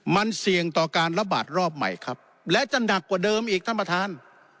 มันเสี่ยงต่อการระบาดรอบใหม่ครับและจะหนักกว่าเดิมอีกท่านประธาน